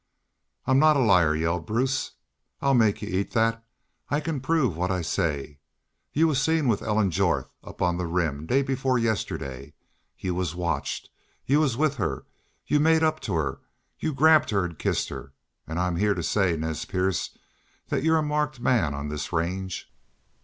"'I'm not a liar,' yelled Bruce. 'I'll make y'u eat thet. I can prove what I say.... Y'u was seen with Ellen Jorth up on the Rim day before yestiddy. Y'u was watched. Y'u was with her. Y'u made up to her. Y'u grabbed her an' kissed her! ... An' I'm heah to say, Nez Perce, thet y'u're a marked man on this range.'